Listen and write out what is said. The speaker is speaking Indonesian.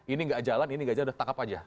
ini nggak jalan ini nggak jalan takap aja